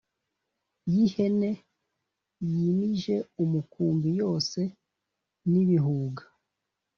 Y ihene yimije umukumbi yose ni ibihuga